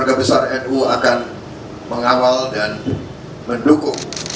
atas tadi pernyataan komitmen bahwa nu keluarga besar nu akan mengawal dan berjaya atas nama pribadi